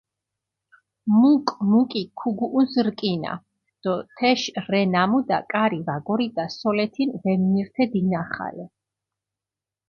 მუკ-მუკი ქუგუჸუნს რკინა დო თეშ რე ნამუდა, კარი ვაგორიდა სოლეთინ ვემნირთე დინახალე.